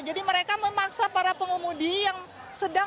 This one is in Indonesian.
jadi mereka memaksa para pengemudi yang sedang